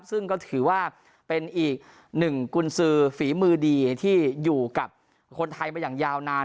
ซึ่งก็ถือว่าเป็นอีกหนึ่งกุญสือฝีมือดีที่อยู่กับคนไทยมาอย่างยาวนาน